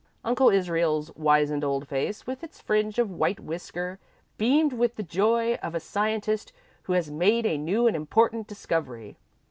Uncle Israel's wizened old face, with its fringe of white whisker, beamed with the joy of a scientist who has made a new and important discovery.